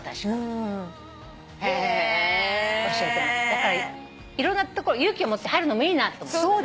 だからいろんな所勇気を持って入るのもいいなと。